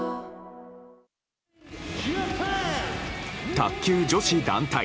卓球女子団体。